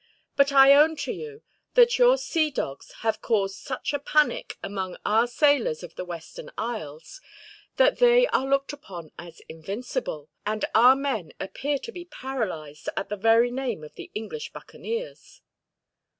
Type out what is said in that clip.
But I own to you that your sea dogs have caused such a panic, among our sailors of the western isles, that they are looked upon as invincible, and our men appear to be paralyzed at the very name of the English buccaneers."